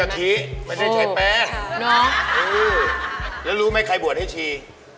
กล้วยบวชให้ชี